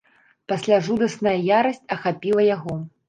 Пасля жудасная ярасць ахапіла яго.